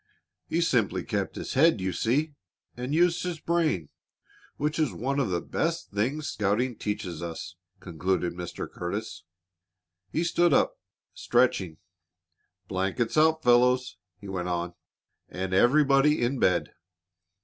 "He simply kept his head, you see, and used his brain, which is one of the best things scouting teaches us," concluded Mr. Curtis. He stood up, stretching. "Blankets out, fellows," he went on, "and everybody in bed."